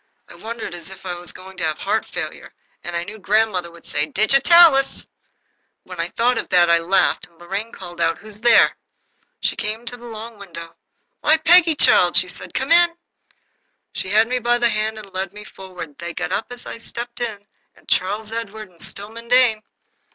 I wondered if I were going to have heart failure, and I knew grandmother would say, "Digitalis!" When I thought of that I laughed, and Lorraine called out, "Who's there?" She came to the long window. "Why, Peggy, child," said she, "come in." She had me by the hand and led me forward. They got up as I stepped in, Charles Edward and Stillman Dane.